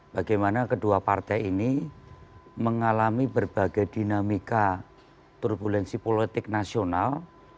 bagaimana kedua partai ini mengalami berbagai dinamika turbulensi politik nasional